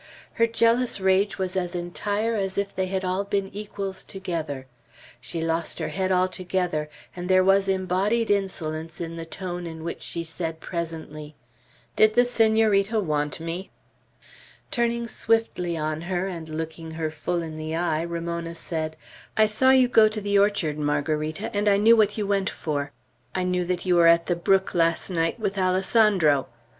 Her jealous rage was as entire as if they had all been equals together. She lost her head altogether, and there was embodied insolence in the tone in which she said presently, "Did the Senorita want me?" Turning swiftly on her, and looking her full in the eye, Ramona said: "I saw you go to the orchard, Margarita, and I knew what you went for. I knew that you were at the brook last night with Alessandro.